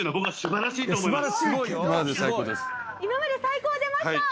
「今までで最高」出ました！